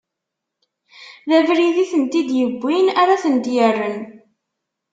D abrid i tent-id-iwwin ara tent-irren.